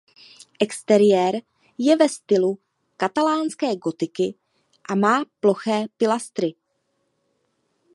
Exteriér je ve stylu katalánské gotiky a má ploché pilastry.